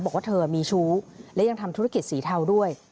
บอกว่าเธอมีชู้และยังทำธุรกิจสีเทาด้วย